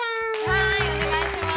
はいお願いします。